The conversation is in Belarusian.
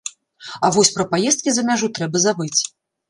А вось пра паездкі за мяжу трэба забыць.